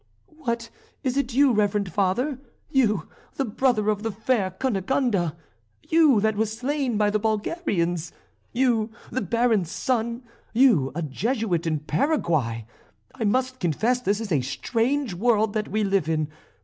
"What, is it you, reverend Father? You, the brother of the fair Cunegonde! You, that was slain by the Bulgarians! You, the Baron's son! You, a Jesuit in Paraguay! I must confess this is a strange world that we live in.